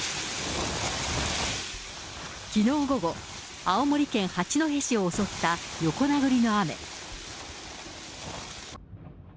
きのう午後、青森県八戸市を襲った横殴りの雨。